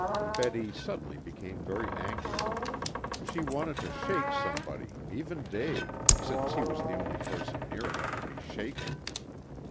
Betty suddenly became very angry. She wanted to shake somebody, even Dave, since he was the only person near enough to be shaken.